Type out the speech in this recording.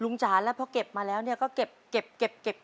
ลุงจานแล้วพอเก็บมาแล้วเนี่ยก็เก็บมาก่อน